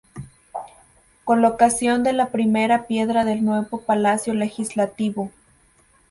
Colocación de la primera piedra del nuevo Palacio Legislativo.